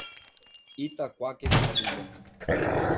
Itaquaquecetuba